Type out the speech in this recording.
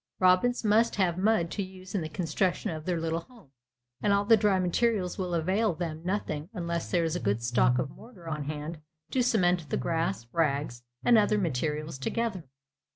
Robins must have mud to use in the construction of their little home, and all the dry materials will avail them nothing unless there is a good stock of mortar on hand to cement the grass, rags, and other materials together.